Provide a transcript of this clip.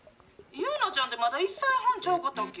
ユウナちゃんってまだ１歳半ちゃうかったっけ。